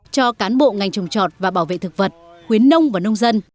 cho cán bộ ngành trồng trọt và bảo vệ thực vật khuyến nông và nông dân